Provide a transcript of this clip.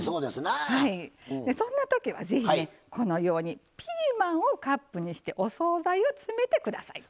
そんなときは、ぜひこのようにピーマンをカップにしてお総菜を詰めてください。